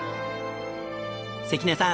関根さん